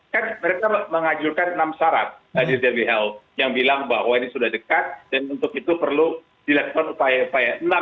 kan mereka mengajukan enam syarat dari who yang bilang bahwa ini sudah dekat dan untuk itu perlu dilakukan upaya upaya